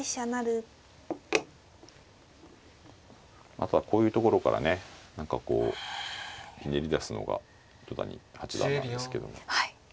あとはこういうところからね何かこうひねり出すのが糸谷八段なんですけどね。